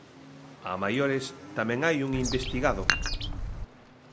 A maiores tamén hai un investigado.